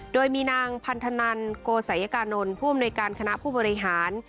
โดยมีนางพันธนันโกสายกานนท์ผู้อำนวยการคณะผู้บริหาร